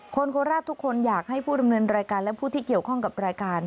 โคราชทุกคนอยากให้ผู้ดำเนินรายการและผู้ที่เกี่ยวข้องกับรายการ